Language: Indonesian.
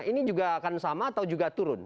ini juga akan sama atau juga turun